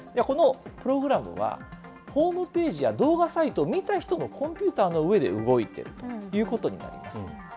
このプログラムは、ホームページや動画サイトを見た人のコンピューターの上で動いてるということになります。